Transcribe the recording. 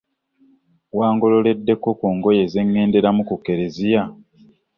Wangololedeko ku ngoye zeŋŋenderamu ku kereziya.